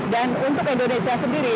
dan untuk indonesia sendiri